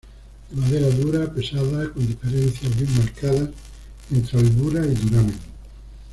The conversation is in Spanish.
De madera dura, pesada, con diferencias bien marcadas entre albura y duramen.